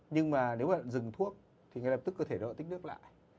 nhưng mà nếu bạn dừng thuốc thì ngay lập tức cơ thể nó tích nước lại